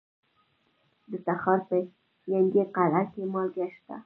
د تخار په ینګي قلعه کې مالګه شته.